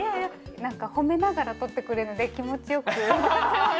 なんかほめながらとってくれるのできもちよく。